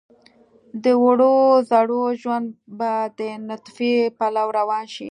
د وړو زړو ژوند به د نطفې پلو روان شي.